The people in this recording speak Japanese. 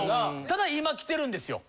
ただ今きてるんですよ。